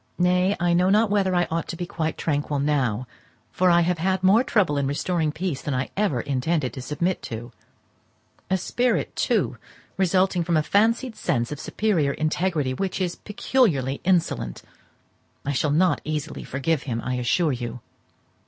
Nay, I know not whether I ought to be quite tranquil now, for I have had more trouble in restoring peace than I ever intended to submit to—a spirit, too, resulting from a fancied sense of superior integrity, which is peculiarly insolent! I shall not easily forgive him, I assure you.